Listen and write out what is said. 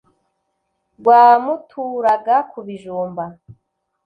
Rwa muturaga ku bijumba,